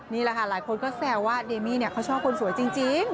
นี่แหละค่ะหลายคนก็แซวว่าเดมี่เขาชอบคนสวยจริง